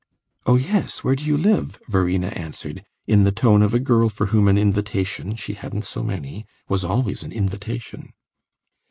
"Oh yes; where do you live?" Verena answered, in the tone of a girl for whom an invitation (she hadn't so many) was always an invitation.